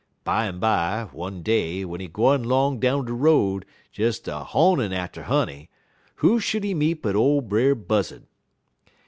Bimeby, one day, w'en he gwine 'long down de road des a honin' atter honey, who should he meet but ole Brer Buzzud.